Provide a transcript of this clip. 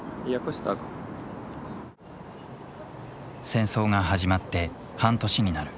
戦争が始まって半年になる。